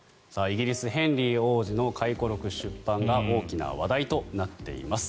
イギリス、ヘンリー王子の回顧録出版が大きな話題となっています。